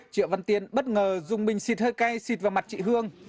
triệu văn tiên bất ngờ dùng bình xịt hơi cay xịt vào mặt chị hương